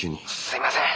すいません。